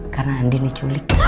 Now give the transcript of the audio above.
karena andin diculik